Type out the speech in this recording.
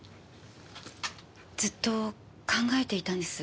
ずっと考えていたんです。